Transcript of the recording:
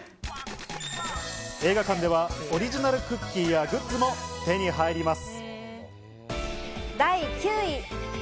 映画館ではオリジナルクッキーやグッズも手に入ります。